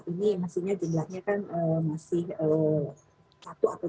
ini maksudnya jumlahnya kan masih satu atau dua